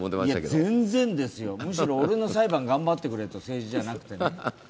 いや全然ですよ、むしろ俺の裁判頑張ってくれと、政治じゃなくてね。